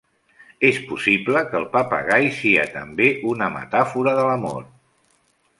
És possible que el papagai sia també una metàfora de l'amor.